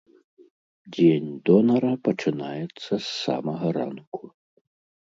Дзень донара пачынаецца з самага ранку.